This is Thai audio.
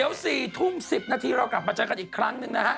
เดี๋ยว๔ทุ่ม๑๐นาทีเรากลับมาเจอกันอีกครั้งหนึ่งนะฮะ